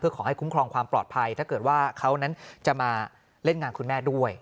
ขอให้คุ้มครองความปลอดภัยถ้าเกิดว่าเขานั้นจะมาเล่นงานคุณแม่ด้วย